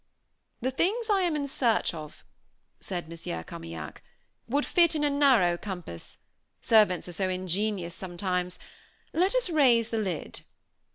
"The things I am in search of," said Monsieur Carmaignac, "would fit in a narrow compass servants are so ingenious sometimes. Let us raise the lid."